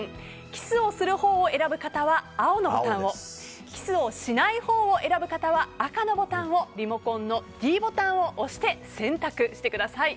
キスをするほうを選ぶ方は青のボタンをキスをしないほうを選ぶ方は赤のボタンをリモコンのｄボタンを押して選択してください。